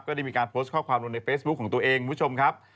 ได้มีการโพสต์ข้อความลงในเฟซบุ๊คของตัวเองคุณผู้ชมครับ